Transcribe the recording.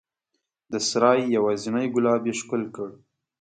د سرای یوازینی ګلاب یې ښکل کړ